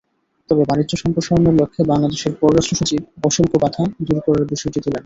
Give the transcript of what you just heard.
তবে বাণিজ্য সম্প্রসারণের লক্ষ্যে বাংলাদেশের পররাষ্ট্রসচিব অশুল্ক বাধা দূর করার বিষয়টি তোলেন।